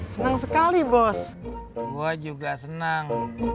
senang sekali bos gue juga senang